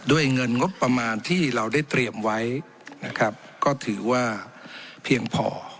เงินงบประมาณที่เราได้เตรียมไว้นะครับก็ถือว่าเพียงพอ